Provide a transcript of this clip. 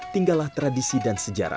tinggallah tradisi dan sejarah